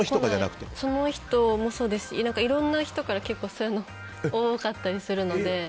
その日もそうだしいろんな人からそういうのが多かったりするので。